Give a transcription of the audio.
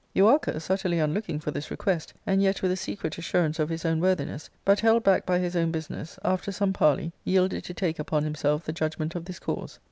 Euarchus, utterly unlooking for this request, and yet with a secret assurance of his own worthiness, but held back by his own business, after some parley, yidded to take upon himself the judgment of this cause.